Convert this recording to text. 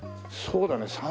そうだね